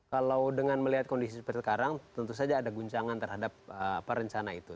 kalau dengan melihat kondisi seperti sekarang tentu saja ada guncangan terhadap rencana itu